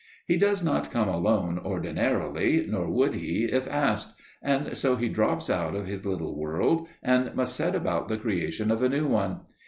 He does not come alone ordinarily, nor would he if asked, and so he drops out of his little world and must set about the creation of a new one.